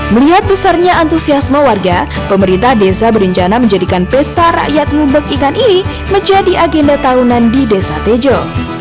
melihat besarnya antusiasme warga pemerintah desa berencana menjadikan pesta rakyat ngubek ikan ini menjadi agenda tahunan di desa tejo